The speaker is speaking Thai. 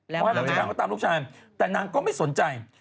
เขาให้น้องจัดการเขาตามลูกชายแต่นางก็ไม่สนใจ